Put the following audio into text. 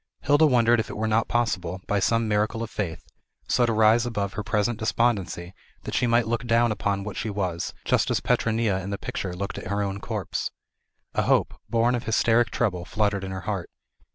Hilda wondered if it were not possible, by some miracle of faith, so to rise above her present despondency that she might look down upon what she was, just as Petronilla in the picture looked at her own corpse. A hope, born of hysteric trouble, fluttered in her heart.